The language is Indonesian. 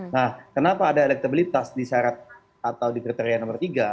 nah kenapa ada elektabilitas di syarat atau di kriteria nomor tiga